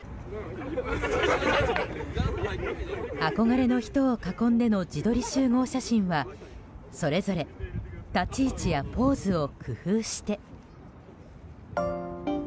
憧れの人を囲んでの自撮り集合写真はそれぞれ立ち位置やポーズを工夫して。